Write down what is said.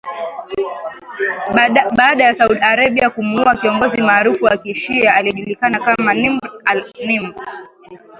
baada ya Saudi Arabia kumuua kiongozi maarufu wa kishia aliyejulikana kama Nimr al Nimr